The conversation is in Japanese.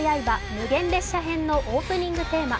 無限列車編のオープニングテーマ